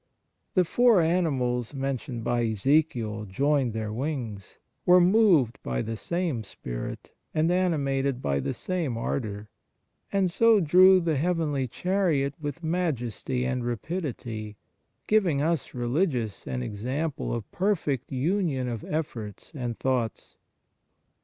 The four animals mentioned by Ezekiel joined their wings, were moved by the same spirit and animated by the same ardour, and so drew the heavenly chariot with majesty and rapidity, giving us religious an 18 Third Characteristic example of perfect union of efforts and thoughts.